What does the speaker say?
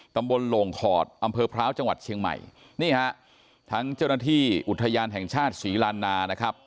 ลงขอดอำเภอพร้าวจังหวัดเชียงใหม่นี่ฮะทั้งเจ้าหน้าที่อุทยานแห่งชาติศรีลานานะครับ